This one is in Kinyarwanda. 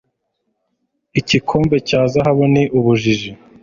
ikirombe cya zahabu ni ubujiji